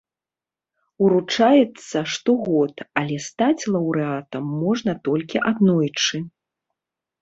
Уручаецца штогод, але стаць лаўрэатам можна толькі аднойчы.